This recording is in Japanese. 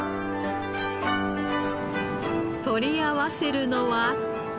取り合わせるのは。